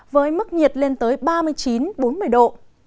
với mức nhiệt lên tới ba mươi chín bốn mươi độ